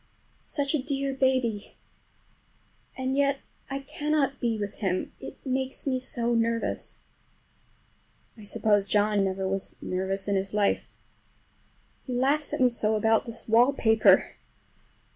Such a dear baby! And yet I cannot be with him, it makes me so nervous. I suppose John never was nervous in his life. He laughs at me so about this wallpaper!